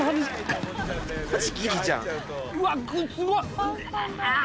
うわすごい。